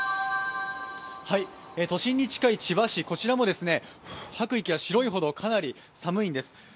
都心に近い千葉市、こちらも吐く息が白いほどかなり寒いんです。